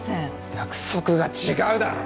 約束が違うだろ！